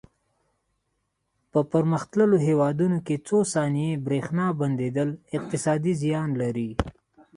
په پرمختللو هېوادونو کې څو ثانیې د برېښنا بندېدل اقتصادي زیان لري.